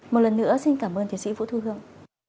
một lần nữa xin cảm ơn tiến sĩ vũ thu hương